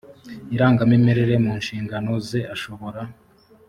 irangamimerere mu nshingano ze ashobora